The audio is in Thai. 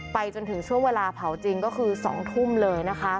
จนถึงช่วงเวลาเผาจริงก็คือ๒ทุ่มเลยนะคะ